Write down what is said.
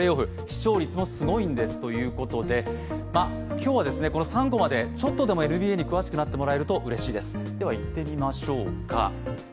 今日は「３コマ」でちょっとでもＮＢＡに詳しくなってもらえるとうれしいです。